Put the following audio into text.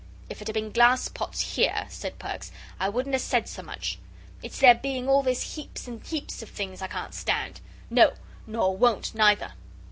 "If it had been glass pots here," said Perks, "I wouldn't ha' said so much. It's there being all this heaps and heaps of things I can't stand. No nor won't, neither."